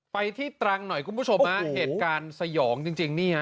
ไปที่ตรังหน่อยคุณผู้ชมฮะเหตุการณ์สยองจริงนี่ฮะ